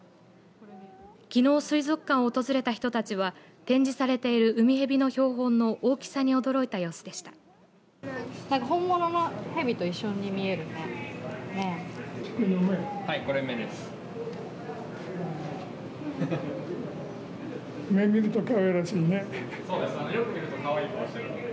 きのう水族館を訪れた人たちは展示されているウミヘビの標本の大きさに驚いた様子でした。